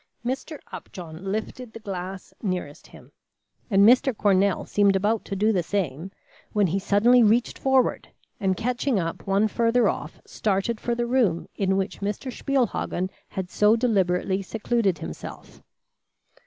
Mr. Upjohn lifted the glass nearest him, and Mr. Cornell seemed about to do the same when he suddenly reached forward and catching up one farther off started for the room in which Mr. Spielhagen had so deliberately secluded himself.